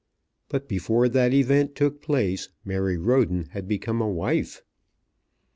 But before that event took place Mary Roden had become a wife.